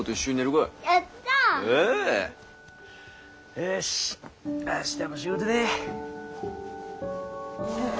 よし明日も仕事だ。